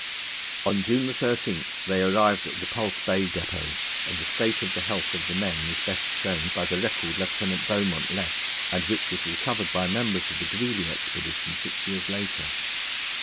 On June 13 they arrived at Repulse Bay depôt, and the state of the health of the men is best shown by the record Lieutenant Beaumont left, and which was recovered by members of the Greely expedition six years later.